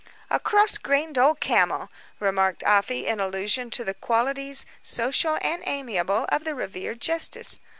"A cross grained old camel!" remarked Afy, in allusion to the qualities, social and amiable, of the revered justice.